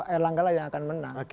erlanggala yang akan menang